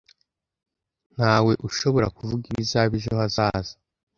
Ntawe ushobora kuvuga ibizaba ejo hazaza.